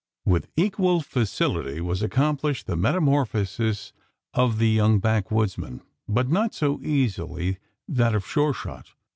With equal facility was accomplished the metamorphosis of the young backwoodsman, but not so easily that of Sure shot.